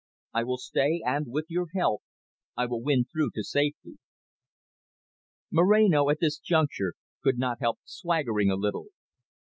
I will stay, and, with your help, I will win through to safety." Moreno at this juncture could not help swaggering a little.